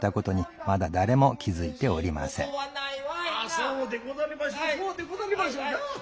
そうでござりましょうそうでござりましょうなあ。